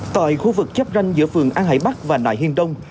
tại khu vực chắp ranh giữa phường an hải bắc và nại hiên đông